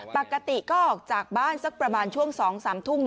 ปกติก็ออกจากบ้านสักประมาณช่วง๒๓ทุ่ม